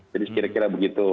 jadi kira kira begitu